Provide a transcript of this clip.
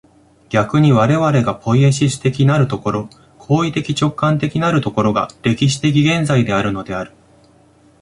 逆に我々がポイエシス的なる所、行為的直観的なる所が、歴史的現在であるのである。